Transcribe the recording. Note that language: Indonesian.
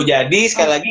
jadi sekali lagi